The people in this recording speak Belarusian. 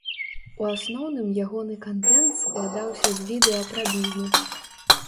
У асноўным ягоны кантэнт складаўся з відэа пра бізнэс.